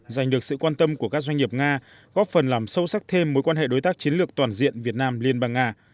giành được sự quan tâm của các doanh nghiệp nga góp phần làm sâu sắc thêm mối quan hệ đối tác chiến lược toàn diện việt nam liên bang nga